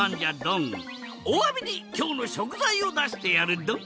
おわびにきょうのしょくざいをだしてやるドン！